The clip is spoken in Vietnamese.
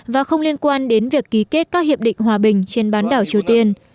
và không liên quan đến việc ký kết các hiệp định hòa bình trên bán đảo triều tiên